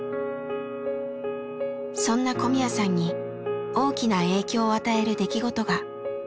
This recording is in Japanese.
そんな小宮さんに大きな影響を与える出来事が。